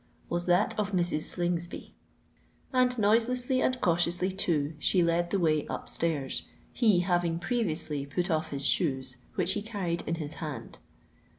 was that of Mrs. Slingsby. And noiselessly and cautiously, too, she led the way up stairs, he having previously put off his shoes, which he carried in his hand.